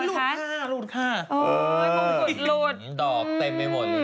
ลูดข้าลูดข้าตอบเต็มไปหมด